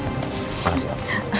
terima kasih om